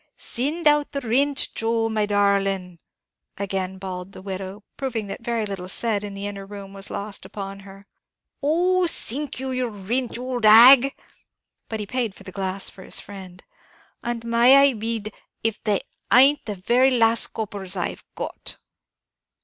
"Sind out the rint, Joe, my darling," again bawled the widow, proving that very little said in the inner room was lost upon her. "Oh, sink you and your rint, you owld hag!" but he paid for the glass for his friend; "and may I be d d if they aint the very last coppers I've got."